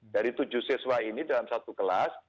dari tujuh siswa ini dalam satu kelas